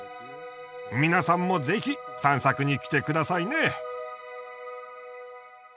皆さんもぜひ散策に来てくださいね。